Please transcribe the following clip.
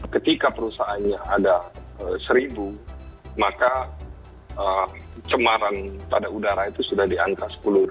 ketika perusahaannya ada seribu maka cemaran pada udara itu sudah di angka sepuluh